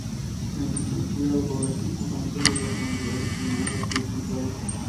En definitiva una población pujante, pero que irremediablemente tenía los días contados.